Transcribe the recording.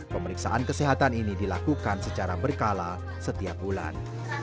pemeriksaan kesehatan ini dilakukan secara berkala setiap bulan